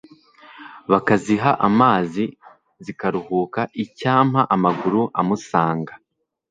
Bakaziha amazi zikaruhuka Icyampa amaguru amusanga